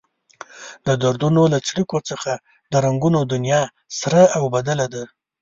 د دردونو له څړیکو څخه د رنګونو دنيا سره اوبدله.